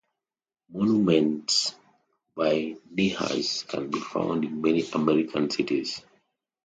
Monuments by Niehaus can be found in many American cities.